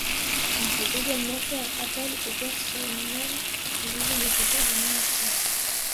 Il peut également faire appel aux personnels jugés nécessaires du ministère.